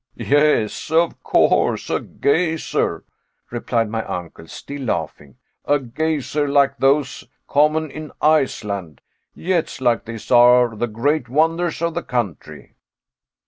"Yes, of course a geyser," replied my uncle, still laughing, "a geyser like those common in Iceland. Jets like this are the great wonders of the country."